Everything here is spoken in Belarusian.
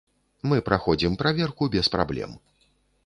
Мы праходзім праверку без праблем.